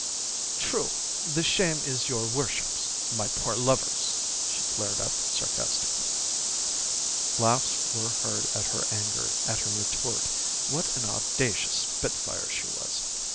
"True! The shame is your worship's my poor lover's," she flared up, sarcastically. Laughs were heard at her anger, at her retort. What an audacious spitfire she was!